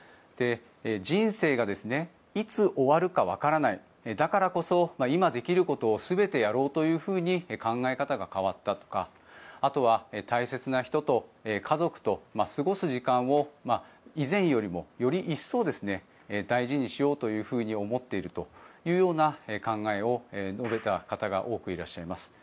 人生がいつ終わるかわからないだからこそ今できることを全てやろうというふうに考え方が変わったとかあとは大切な人と家族と過ごす時間を以前よりも、より一層大事にしようというふうに思っているというような考えを述べた方が多くいらっしゃいます。